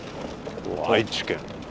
愛知県。